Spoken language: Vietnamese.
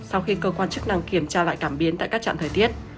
sau khi cơ quan chức năng kiểm tra lại cảm biến tại các trạm thời tiết